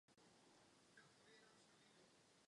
Nic více k tomu netřeba dodávat.